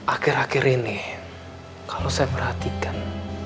akhir akhir ini kalau saya perhatikan